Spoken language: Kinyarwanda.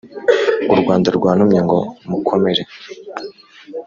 U Rwanda rwantumye ngo mukomere.